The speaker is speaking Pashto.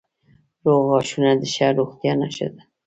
روغ غاښونه د ښه روغتیا نښه ده.